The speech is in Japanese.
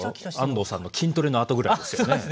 安藤さんの筋トレのあとぐらいですよね。